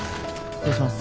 失礼します。